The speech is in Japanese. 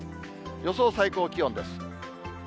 予想最高気温です。